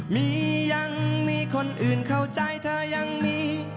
มียังมีคนอื่นเข้าใจเธอยังมี